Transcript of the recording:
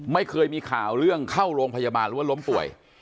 ไม่เคยมีข่าวเรื่องเข้าโรงพยาบาลหรือว่าล้มป่วย